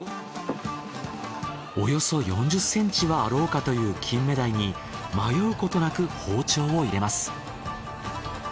およそ４０ｃｍはあろうかという金目鯛に迷うことなく包丁を入れます。